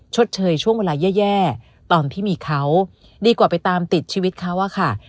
ชดเชยช่วงเวลาแย่ตอนที่มีเขาดีกว่าไปตามติดชีวิตเขาอะค่ะ